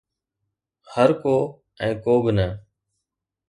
هرڪو ۽ ڪو به نه